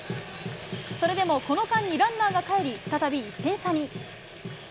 それでもこの間にランナーがかえり、再び１点差に。